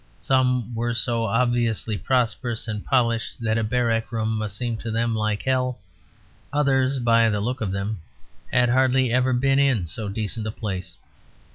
Some were so obviously prosperous and polished that a barrack room must seem to them like hell; others (by the look of them) had hardly ever been in so decent a place.